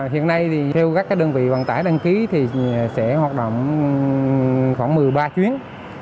hiện nay thì theo các đơn vị vận tải đăng ký thì sẽ hoạt động khoảng một mươi ba chuyến